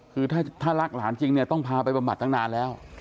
คือถ้ารักหลานจริงเนี่ยต้องพาไปบำบัดตั้งนานแล้ว